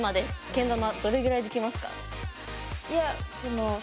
どれぐらいできますか？